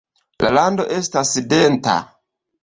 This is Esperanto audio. La rando estas denta.